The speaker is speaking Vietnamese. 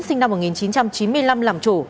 sinh năm một nghìn chín trăm chín mươi